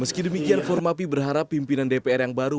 meski demikian formapi berharap pimpinan dpr yang baru